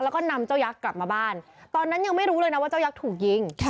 แล้วก็นำเจ้ายักษ์กลับมาบ้านตอนนั้นยังไม่รู้เลยนะว่าเจ้ายักษ์ถูกยิง